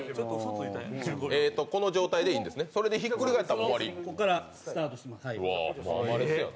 この状態でいいんですね、それでひっくり返ったらもう終わり。